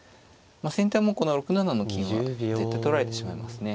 先手はもうこの６七の金は絶対取られてしまいますね。